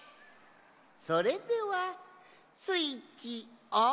それではスイッチオン！